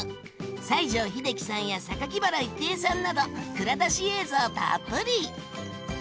西城秀樹さんや原郁恵さんなど蔵出し映像たっぷり！